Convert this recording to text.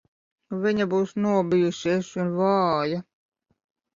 Viņa būs nobijusies un vāja.